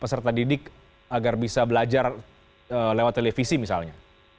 peserta didik agar bisa belajar lewat televisi misalnya